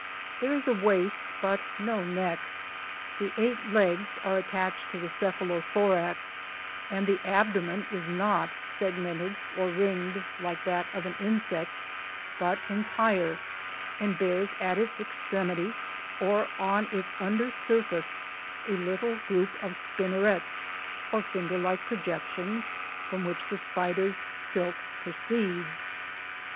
There is a waist, but no neck. The eight legs are attached to the cephalothorax, and the abdomen is not segmented or ringed like that of an insect, but entire, and bears at its extremity or on its under surface a little group of spinnerets or finger like projections from which the spider's silk proceeds.